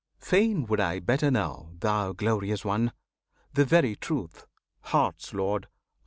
Fain would I better know, Thou Glorious One! The very truth Heart's Lord!